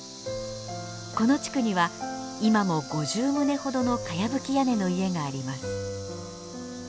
この地区には今も５０棟ほどのかやぶき屋根の家があります。